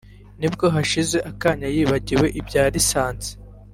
nibwo hashize akanya yibagiwe ibya lisansi